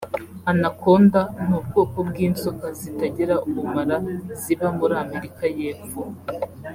Anaconda’ ni ubwoko bw’inzoka zitagira ubumara ziba muri Amerika y’Epfo